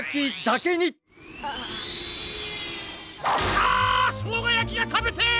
あしょうがやきがたべてえ！